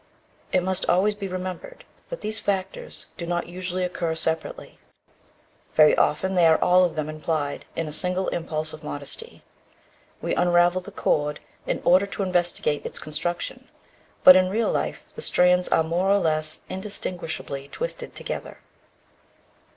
It must always be remembered that these factors do not usually occur separately. Very often they are all of them implied in a single impulse of modesty. We unravel the cord in order to investigate its construction, but in real life the strands are more or less indistinguishably twisted together.